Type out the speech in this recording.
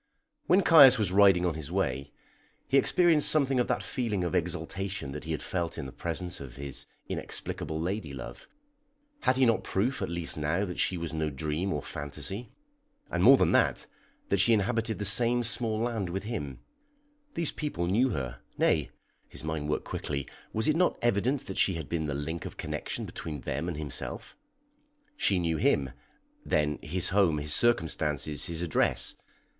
When Caius was riding on his way, he experienced something of that feeling of exaltation that he had felt in the presence of his inexplicable lady love. Had he not proof at least now that she was no dream or phantasy, and more than that, that she inhabited the same small land with him? These people knew her; nay (his mind worked quickly), was it not evident that she had been the link of connection between them and himself? She knew him, then his home, his circumstances, his address.